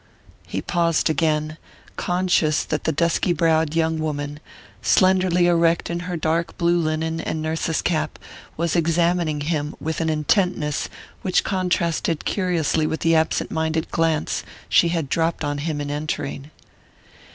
He paused again, conscious that the dusky browed young woman, slenderly erect in her dark blue linen and nurse's cap, was examining him with an intentness which contrasted curiously with the absent minded glance she had dropped on him in entering.